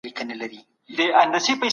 ایا هره ورځ پیاده ګرځېدل د زړه صحت ساتي؟